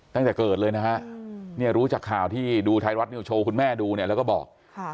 ตั้งแต่เกิดเลยนะฮะเนี่ยรู้จากข่าวที่ดูไทยรัฐนิวโชว์คุณแม่ดูเนี่ยแล้วก็บอก